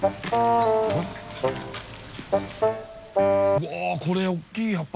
うわこれおっきい葉っぱ！